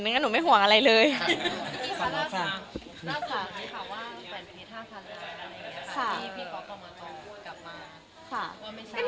พี่ป๊อกก็มาทองพูดกับมา